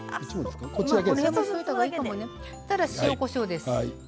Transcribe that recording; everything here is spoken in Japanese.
そうしたら塩、こしょうです。